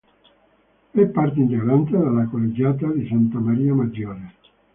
È parte integrante della collegiata di Santa Maria Maggiore.